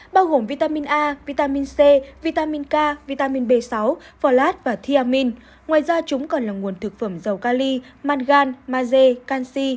bao gồm vitamin a vitamin c vitamin k vitamin b sáu folate và thiamin ngoài ra chúng còn là nguồn thực phẩm dầu ca ly mangan maze canxi